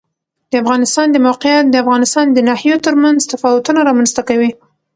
د افغانستان د موقعیت د افغانستان د ناحیو ترمنځ تفاوتونه رامنځ ته کوي.